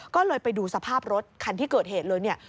ก็เลยไปดูสภาพรถคันที่เกิดเหตุเลยเนี่ย